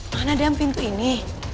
mana dam pintu ini